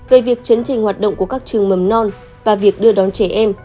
về việc chấn trình hoạt động của các trường mầm non và việc đưa đón trẻ em